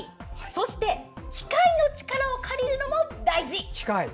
そして機械の力を借りるのも大事。